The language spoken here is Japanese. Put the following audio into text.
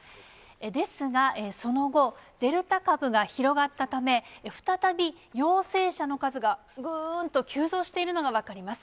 ですが、その後、デルタ株が広がったため、再び陽性者の数がぐーんと急増しているのが分かります。